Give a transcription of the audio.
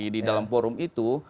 di dalam forum itu